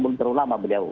belum terlalu lama beliau